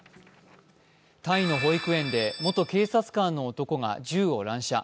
タイの保育園で、元警察官の男が銃を乱射。